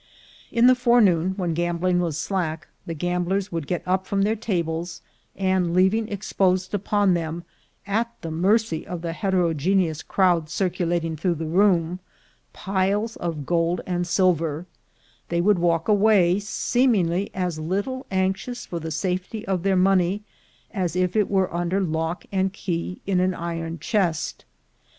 In the forenoon, when gambling was slack, the gamblers would get up from their tables, and, leaving exposed upon them, at the mercy of the heterogene ous crowd circulating through the room, piles of gold and silver, they would walk away, seemingly as little anxious for the safety of their money as if it were under lock and key in an iron chest.